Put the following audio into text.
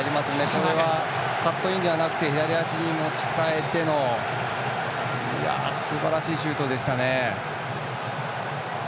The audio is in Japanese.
これはカットインではなくて左足に持ち替えてのすばらしいシュートでしたね。